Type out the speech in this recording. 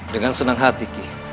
dengan senang hati ki